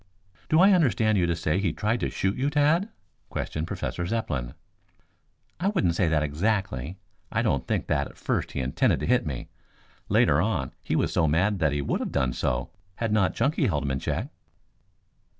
"Do I understand you to say that he tried to shoot you, Tad?" questioned Professor Zepplin. "I wouldn't say that exactly. I don't think that at first he intended to hit me. Later on he was so mad that he would have done so had not Chunky held him in check."